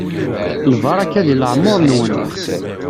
Lbaraka di leɛmur-nwen.